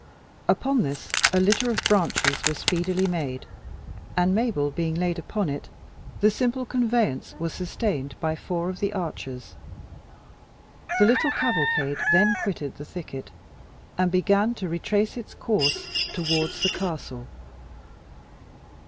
Upon this, a litter of branches were speedily made, and Mabel being laid upon it, the simple conveyance was sustained by four of the archers. The little cavalcade then quitted the thicket, and began to retrace its course towards the castle.